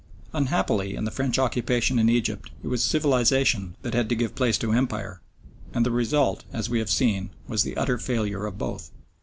Unhappily, in the French occupation in Egypt it was civilisation that had to give place to empire, and the result, as we have seen, was the utter failure of both.